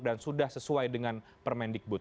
dan sudah sesuai dengan permendikbud